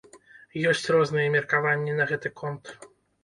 Ёсць розныя меркаванні на гэты конт.